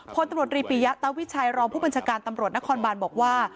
พลตำรวจรีปิยะตะวิชัยรองผู้บัญชาการตำรวจนครบานบอกว่า